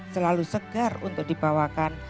selalu segar untuk dibawakan